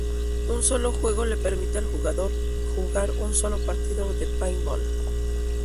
Un solo juego le permite al jugador jugar un solo partido de paintball.